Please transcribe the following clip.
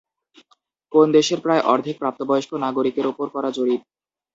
কোন দেশের প্রায় অর্ধেক প্রাপ্তবয়স্ক নাগরিকের ওপর করা জরিপ?